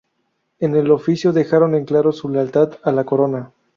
En el oficio dejaron en claro su lealtad a la corona.